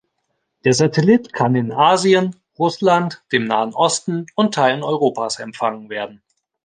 Der Satellit kann in Asien, Russland, dem Nahen Osten und Teilen Europas empfangen werden.